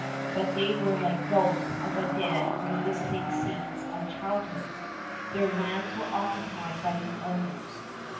But they were like ghosts of the dead revisiting scenes of childhood! Their lands were occupied by new owners.